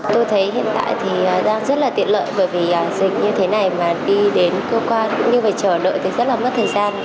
tôi thấy hiện tại thì đang rất là tiện lợi bởi vì dịch như thế này mà đi đến cơ quan cũng như phải chờ đợi thì rất là mất thời gian